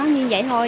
như vậy thôi